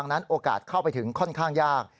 นั้นโอกาสเข้าไปถึงค่อนข้างยาก